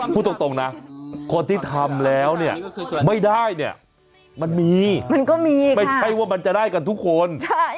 พูดตรงนะคนที่ทำแล้วเนี่ยไม่ได้เนี่ยมันมีมันก็มีไม่ใช่ว่ามันจะได้กันทุกคน